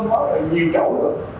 nó nhìn chỗ được